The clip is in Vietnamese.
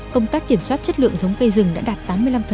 công tác kiểm soát chất lượng giống cây rừng đã đạt tám mươi năm